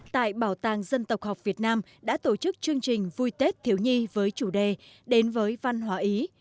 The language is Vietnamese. tại bảo tàng dân tộc học việt nam đã tổ chức chương trình vui tết thiếu nhi với chủ đề đến với văn hóa ý